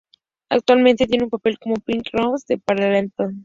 Actualmente tiene un papel como Phil Lessing en "Parenthood".